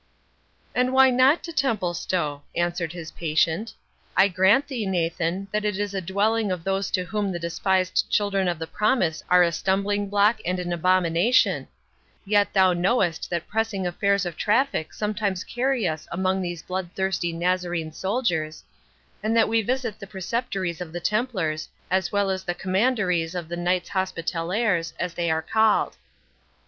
"And why not to Templestowe?" answered his patient. "I grant thee, Nathan, that it is a dwelling of those to whom the despised Children of the Promise are a stumbling block and an abomination; yet thou knowest that pressing affairs of traffic sometimes carry us among these bloodthirsty Nazarene soldiers, and that we visit the Preceptories of the Templars, as well as the Commanderies of the Knights Hospitallers, as they are called."